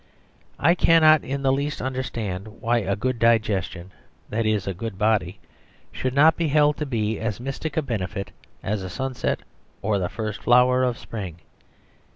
I cannot in the least understand why a good digestion that is, a good body should not be held to be as mystic a benefit as a sunset or the first flower of spring.